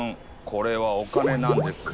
これはお金なんです。